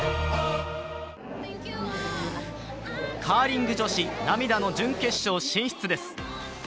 カーリング女子、涙の準決勝進出です。